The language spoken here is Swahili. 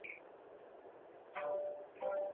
Sentensi ni maneno mawili